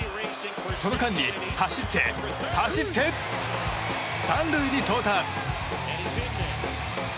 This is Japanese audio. その間に走って、走って３塁に到達！